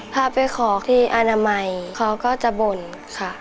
พาไปขอที่อนามัยเขาก็จะบ่นค่ะ